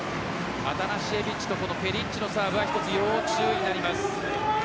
アタナシエビッチとペリッチのサーブは一つ、要注意になります。